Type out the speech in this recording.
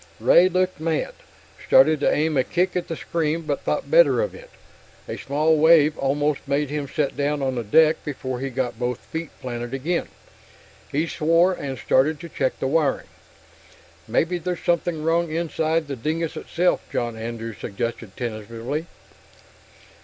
Ray looked mad, started to aim a kick at the screen but thought better of it. A small wave almost made him sit down on the deck before he got both feet planted again. He swore and started to check the wiring. "Maybe there's something wrong inside the dingus itself," John Andrew suggested tentatively.